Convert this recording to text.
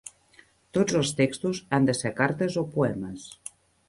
Tots els textos han de ser cartes o poemes.